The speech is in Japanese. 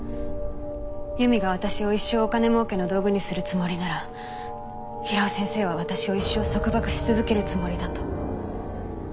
由美が私を一生お金儲けの道具にするつもりなら平尾先生は私を一生束縛し続けるつもりだと。